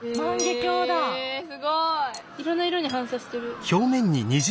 いろんな色に反射してる。